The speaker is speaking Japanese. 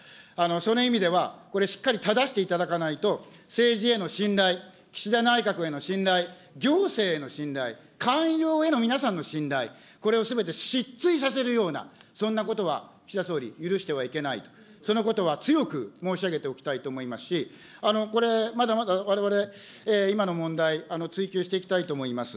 その意味ではこれ、しっかりただしていただかないと、政治への信頼、岸田内閣への信頼、行政への信頼、官僚への皆さんの信頼、これをすべて失墜させるような、そんなことは岸田総理、許してはいけないと、そのことは強く申し上げておきたいと思いますし、これ、まだまだわれわれ、今の問題、追及していきたいと思います。